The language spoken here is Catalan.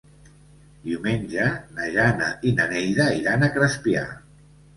Diumenge na Jana i na Neida iran a Crespià.